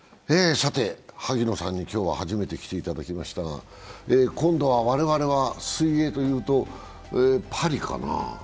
さて、萩野さんに今日は初めてきていただきましたが今度は我々は水泳というとパリかな？